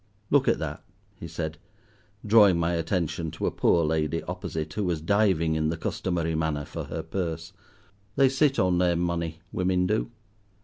"Look at that," he said, drawing my attention to a poor lady opposite, who was diving in the customary manner for her purse, "they sit on their money, women do.